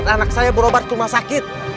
anak saya berobat ke rumah sakit